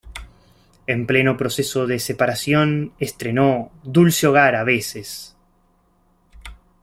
En pleno proceso de separación, estrenó "¡Dulce hogar... a veces!